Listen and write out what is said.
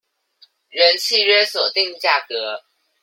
原契約所定價格